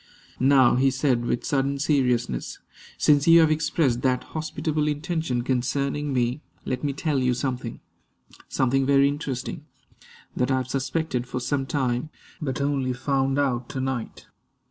"Now," he said with sudden seriousness, "since you have expressed that hospitable intention concerning me, let me tell you something something very interesting, that I have suspected for some time, but only found out to night.